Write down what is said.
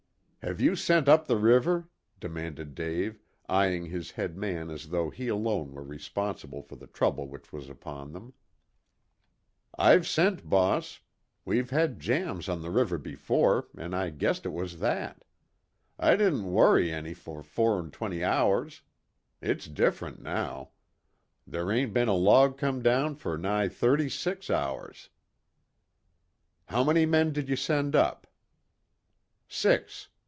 "Have you sent up the river?" demanded Dave, eyeing his head man as though he alone were responsible for the trouble which was upon them. "I've sent, boss. We've had jams on the river before, an' I guessed it was that. I didn't worrit any for four an' twenty hours. It's different now. Ther' ain't bin a log come down for nigh thirty six hours." "How many men did you send up?" "Six.